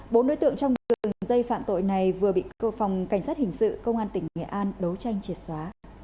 bốn đối tượng trong đường dây phạm tội này vừa bị cơ phòng cảnh sát hình sự công an tỉnh nghệ an đấu tranh triệt xóa